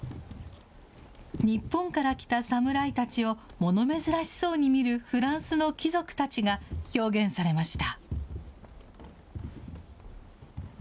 日本から来た侍たちを、もの珍しそうに見るフランスの貴族たちが表現されました。